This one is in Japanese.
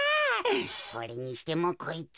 それにしてもこいつ。